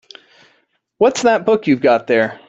What's that book you've got there?